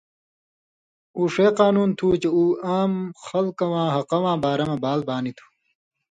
اُو ݜے قانُون تُھو چے اُو عام خلکہ واں حقہ واں بارہ مہ بال بانیۡ تُھو۔